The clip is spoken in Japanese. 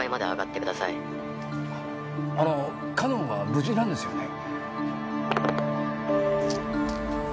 あのかのんは無事なんですよね？